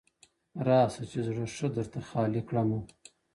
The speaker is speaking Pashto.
راسه چي زړه ښه درته خالي كـړمـه ـ